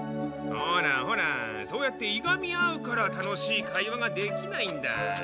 ほらほらそうやっていがみ合うから楽しい会話ができないんだ。